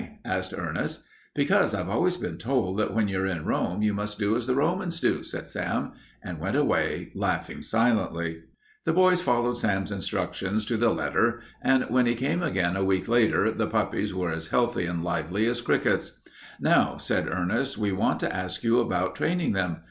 asked Ernest. "Because I've always been told that when you're in Rome you must do as the Romans do," said Sam, and went away laughing silently. The boys followed Sam's instructions to the letter, and when he came again a week later the puppies were as healthy and lively as crickets. "Now," said Ernest, "we want to ask you about training them.